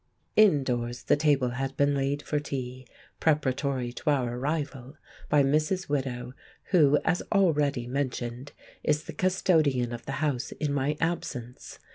Indoors the table had been laid for tea, preparatory to our arrival, by Mrs. Widow, who, as already mentioned, is the custodian of the house in my absence.